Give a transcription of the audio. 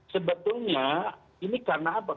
sebetulnya ini karena apa